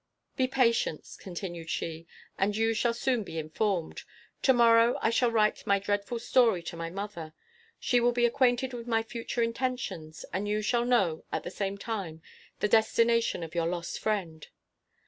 "Be patient," continued she, "and you shall soon be informed. To morrow I shall write my dreadful story to my mother. She will be acquainted with my future intentions; and you shall know, at the same time, the destination of your lost friend."